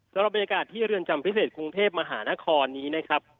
สำหรับบรรยากาศที่เรือนจำพิเศษกรุงเทพมหานครนี้นะครับ